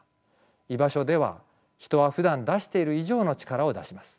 居場所では人はふだん出している以上の力を出します。